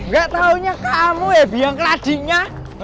gak taunya kamu ya biang ke ladinya